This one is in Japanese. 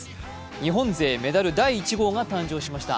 日本勢メダル第１号が誕生しました。